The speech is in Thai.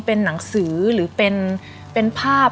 เป็นหนังสือหรือเป็นภาพ